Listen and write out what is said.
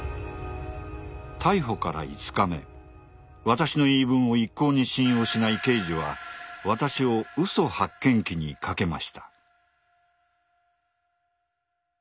私の言い分を一向に信用しない刑事は私を嘘発見器にかけました。